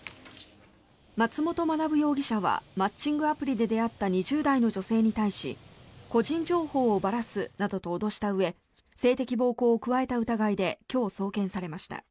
松本学容疑者はマッチングアプリで出会った２０代の女性に対し個人情報をばらすなどと脅したうえ性的暴行を加えた疑いで今日、送検されました。